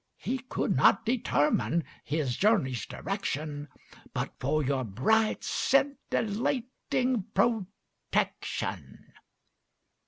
He could not determine his journey's direction But for your bright scintillating protection.